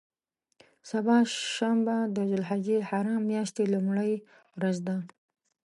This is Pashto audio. سبا شنبه د ذوالحجة الحرام میاشتې لومړۍ ورځ ده.